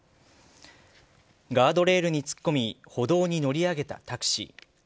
ガードレールに突っ込み歩道に乗り上げたタクシー。